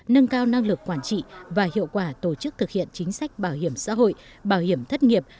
nâng cao năng lực quản trị và hiệu quả tổ chức thực hiện chính sách bảo hiểm xã hội bảo hiểm thất nghiệp